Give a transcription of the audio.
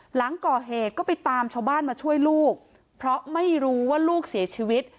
หลังก่อเหตุก็ไปตามชาวบ้านมาช่วยลูกเพราะไม่รู้ว่าลูกเสียชีวิต